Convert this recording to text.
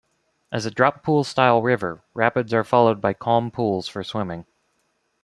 As a drop-pool style river, rapids are followed by calm pools for swimming.